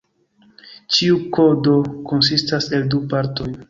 Ĉiu kodo konsistas el du partoj.